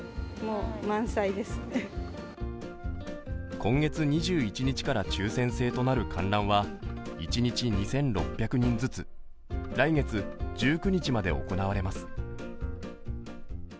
今月２１日から抽選制となる観覧は一日２６００人ずつ来月１９日まで行われます。